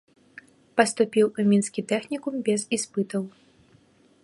Паступіў у мінскі тэхнікум без іспытаў.